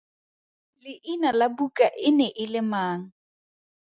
Leina la buka e ne e le mang?